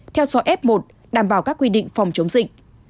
theo dõi f một đảm bảo các quy định phòng chống dịch